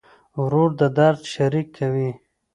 ورور د درد شریک وي.